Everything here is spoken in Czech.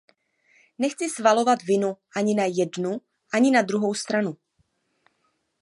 Nechci svalovat vinu ani na jednu, ani na druhou stranu.